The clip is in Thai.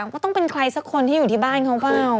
ก็ต้องเป็นใครสักคนที่อยู่ที่บ้านเขาเปล่า